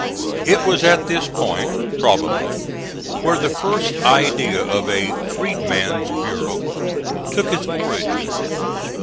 It was at this point, probably, where the first idea of a "Freedman's Bureau" took its origin.